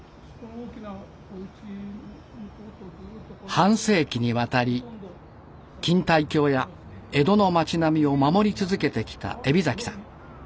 半世紀にわたり錦帯橋や江戸の町並みを守り続けてきた海老さん。